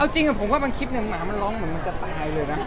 จริงผมว่าบางคลิปเนี่ยหมามันร้องเหมือนมันจะตายเลยนะ